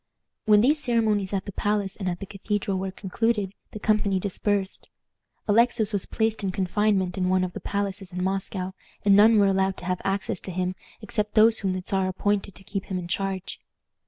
When these ceremonies at the palace and at the Cathedral were concluded, the company dispersed. Alexis was placed in confinement in one of the palaces in Moscow, and none were allowed to have access to him except those whom the Czar appointed to keep him in charge.